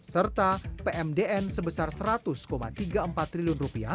serta pmdn sebesar rp seratus tiga puluh empat triliun